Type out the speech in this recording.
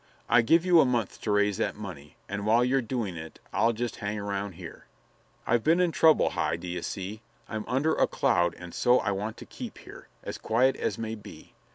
I give you a month to raise that money, and while you're doing it I'll jest hang around here. I've been in trouble, Hi, d'ye see. I'm under a cloud and so I want to keep here, as quiet as may be.